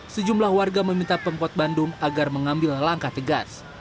sejumlah warga meminta pemkot bandung agar mengambil langkah tegas